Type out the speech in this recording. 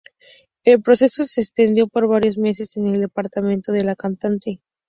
El proceso se extendió por varios meses en el departamento de la cantante.